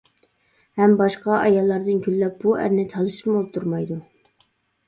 ھەم باشقا ئاياللاردىن كۈنلەپ بۇ ئەرنى تالىشىپمۇ ئولتۇرمايدۇ.